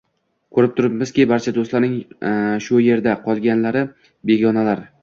Koʻrib turibmizki, barcha doʻstlaring shuyerda, qolganlari begonalar.